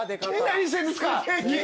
何してるんですか！